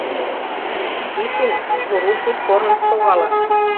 Тишин двурушник корныш шогалын.